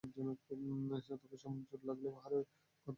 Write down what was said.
তখন সামান্য চোট লাগলেই হাড়ে ব্যথা হয়ে যেতে পারে।